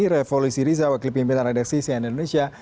revo lissi rizawa klip pimpinan redaksi sian indonesia